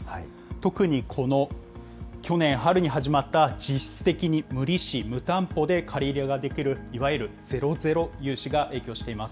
特にこの去年春に始まった、実質的に無利子・無担保で借り入れができる、いわゆるゼロゼロ融資が影響しています。